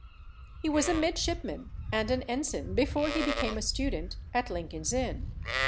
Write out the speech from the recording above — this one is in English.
He was a midshipman and an ensign before he became a student at Lincoln's Inn.